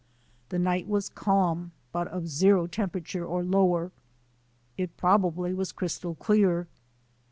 The night was calm, but of zero tem perature or lower. It probably was crystal dear.